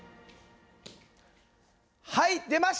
はい出ました！